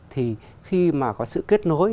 thì khi mà có sự kết nối